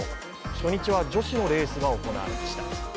初日は女子のレースが行われました。